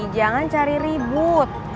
jangan cari ribut